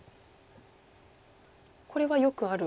これはよくある？